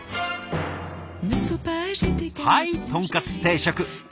はいとんかつ定食。